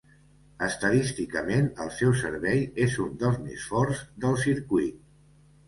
Estadísticament, el seu servei és un dels més forts del circuit.